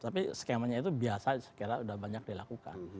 tapi skemanya itu biasa saya kira sudah banyak dilakukan